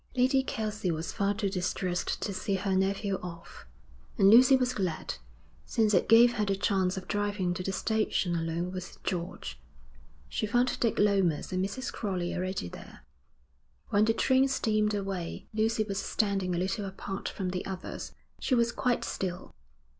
Lady Kelsey was far too distressed to see her nephew off; and Lucy was glad, since it gave her the chance of driving to the station alone with George. She found Dick Lomas and Mrs. Crowley already there. When the train steamed away, Lucy was standing a little apart from the others. She was quite still.